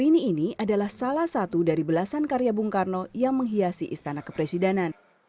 ini adalah salah satu dari belasan karya bung karno yang menghiasi istana kepresidenan